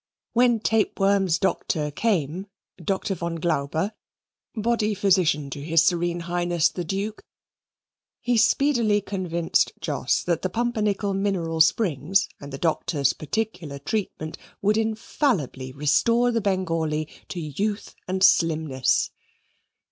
When Tapeworm's doctor came, Doctor von Glauber, Body Physician to H.S.H. the Duke, he speedily convinced Jos that the Pumpernickel mineral springs and the Doctor's particular treatment would infallibly restore the Bengalee to youth and slimness.